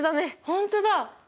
本当だ！